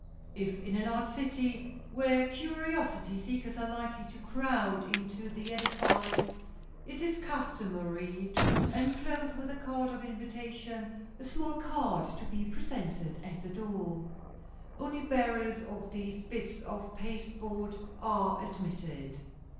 If in a large city where curiosity seekers are likely to crowd into the edifice, it is customary to enclose with the card of invitation a small card to be presented at the door. Only bearers of these bits of pasteboard are admitted.